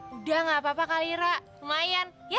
udah gak apa apa kak lira lumayan ya